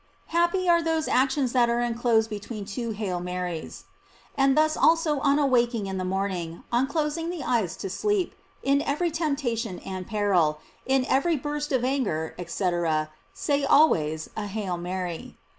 Happy are those actions that are enclosed be tween two "Hail Marys!" And thus also on awaking in the morning, on closing the eyes to sleep, in every temptation and peril, in every burst of anger, &., say always a "Hail Mary."